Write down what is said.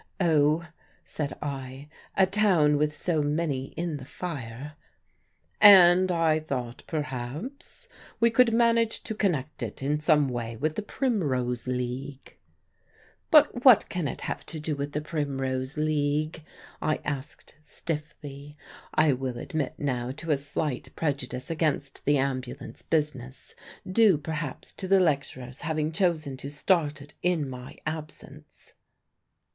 "Oh," said I, "a town with so many in the fire " "And I thought, perhaps, if we could manage to connect it in some way with the Primrose League " "But what can it have to do with the Primrose League?" I asked stiffly. I will admit now to a slight prejudice against the Ambulance business due perhaps to the lecturer's having chosen to start it in my absence.